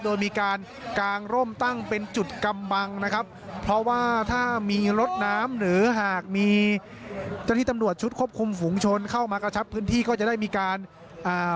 โดยมีการกางร่มตั้งเป็นจุดกำบังนะครับเพราะว่าถ้ามีรถน้ำหรือหากมีเจ้าหน้าที่ตำรวจชุดควบคุมฝุงชนเข้ามากระชับพื้นที่ก็จะได้มีการอ่า